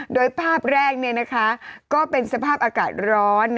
โดยภาพแรกเนี่ยนะคะก็เป็นสภาพอากาศร้อน